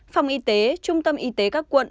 phòng y tế trung tâm y tế các quận